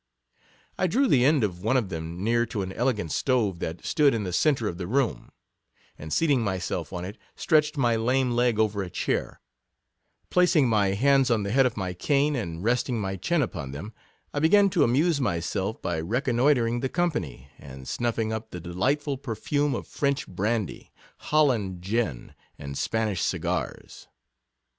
1 drew the end of one of them near to an elegant stove that stood in the centre of the room, and seating myself on it, stretched my lame leg over a chair ; placing my hands on the head of my cane, and resting my chin upon them, I began to amuse myself by recon noitring the company, and snuffing up the delightful perfume of French brandy, Holland gin, and Spanish segars.